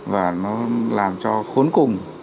và nó làm cho khốn cùng